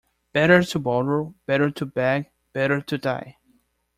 Better to borrow, better to beg, better to die!